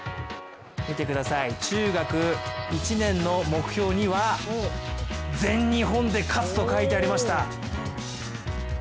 見てください、中学１年の目標には「全日本で勝つ」と書いてありました。